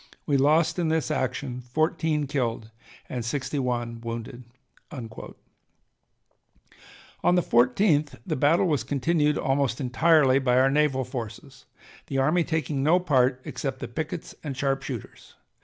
We lost in this action fourteen killed and sixty one wounded." On the 14th the battle was continued almost entirely by our naval forces, the army taking no part except the pickets and sharp shooters.